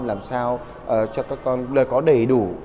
làm sao cho các con có đầy đủ